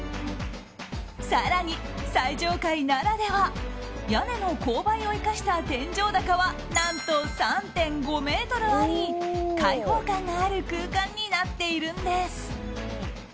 更に最上階ならでは屋根の勾配を生かした天井高は何と３．５ｍあり開放感がある空間になっているんです。